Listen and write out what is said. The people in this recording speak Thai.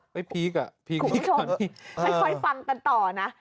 ไปพีคอ่ะพีคไม่ค่อยฟังกันต่อนะ